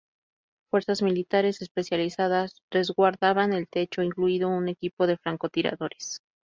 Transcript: Fuerzas militares especializadas resguardaban el techo, incluido un equipo de francotiradores.